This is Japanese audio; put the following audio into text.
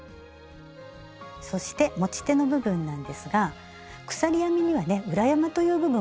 そして持ち手の部分なんですが鎖編みにはね「裏山」という部分があります。